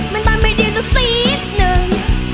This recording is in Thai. มันตามไม่ดีจนสีศนึง